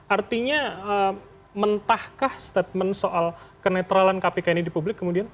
artinya mentahkah statement soal kenetralan kpk ini di publik kemudian